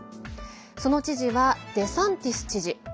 その知事は、デサンティス知事。